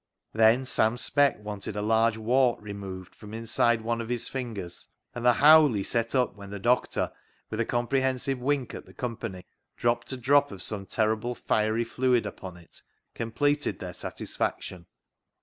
Then Sam Speck wanted a large wart removed from inside one of his fingers, and the howl he set up when the doctor, with a comprehensive wink at the company, dropped a drop of some terrible fiery fluid upon it, completed their satisfaction.